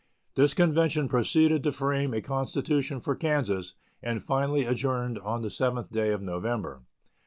This convention proceeded to frame a constitution for Kansas, and finally adjourned on the 7th day of November.